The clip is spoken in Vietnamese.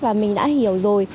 và mình đã hiểu rồi